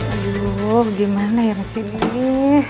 aduh gimana ya mesin ini